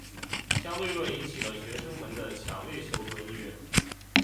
相对论引起了学生们的强烈求知意愿。